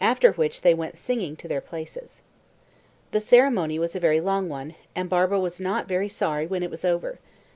After which they went singing to their places. The ceremony was a very long one, and Barbara was not very sorry when it was over.